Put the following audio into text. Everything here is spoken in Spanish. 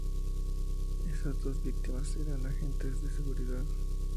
Esas dos víctimas eran agentes de seguridad.